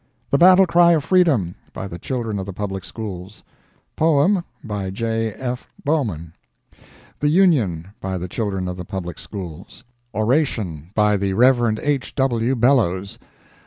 "The Battle Cry of Freedom," by the Children of the Public Schools. Poem, by J. F. Bowman. "The Union," by Children of the Public Schools. Oration, by the Rev. H. W. Bellows.